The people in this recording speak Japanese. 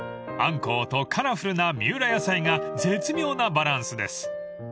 ［アンコウとカラフルな三浦野菜が絶妙なバランスです］